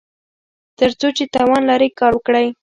تر څو چې توان لرئ کار وکړئ.